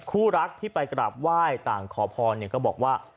คู่รักที่ไปกราบไหว้ต่างขอพรก็บอกว่า